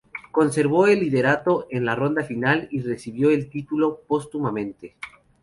Conservó el liderato en la ronda final y recibió el título póstumamente.